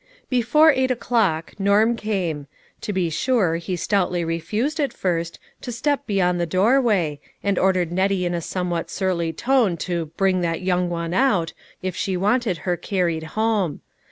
Before eight o'clock, Norm came. To be sure he stoutly refused, at first, to step beyond the doorway, and ordered Nettie in a somewhat surly tone to " bring that young one out," if she wanted her carried home.